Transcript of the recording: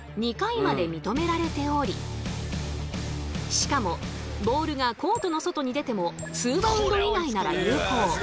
しかもボールがコートの外に出てもツーバウンド以内なら有効。